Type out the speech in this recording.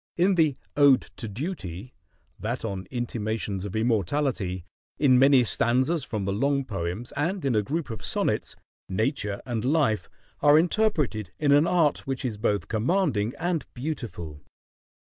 In the "Ode to Duty," that on "Intimations of Immortality," in many stanzas from the long poems, and in a group of sonnets, Nature and Life are interpreted in an art which is both commanding and beautiful.